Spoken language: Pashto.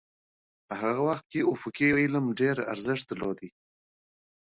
په هغه وخت کې افقي علم ډېر ارزښت درلود.